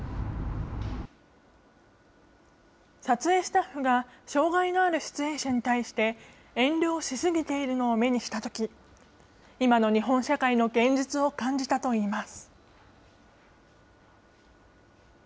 撮影スタッフが、障害のある出演者に対して遠慮をし過ぎているのを目にしたとき、今の日本社会の現実を感じたといいます。